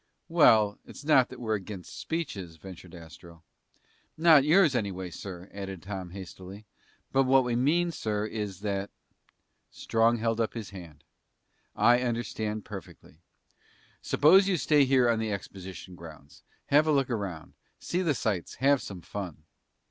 "Well, it's not that we're against speeches," ventured Astro. "Not yours anyway, sir," added Tom hastily. "But what we mean, sir, is that " Strong held up his hand. "I understand perfectly. Suppose you stay here on the exposition grounds. Have a look around. See the sights, have some fun."